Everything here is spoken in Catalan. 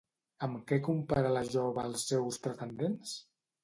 Amb què compara la jove els seus pretendents?